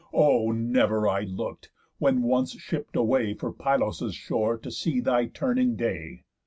O, never I look'd, when once shipp'd away For Pylos' shores, to see thy turning day.